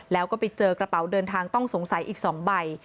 แล้วก็ไปเจอกระเป๋าเดินทางต้องสงสัยอีก๒ใบ